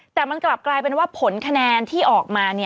แต่มันกลับกลายเป็นว่าผลคะแนนที่ออกมา